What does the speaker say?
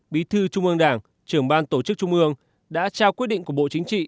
bí thư trung ương đảng trưởng ban tổ chức trung ương đã trao quyết định của bộ chính trị